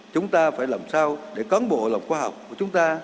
chúng ta phải làm sao để cắn bộ lòng khoa học của chúng ta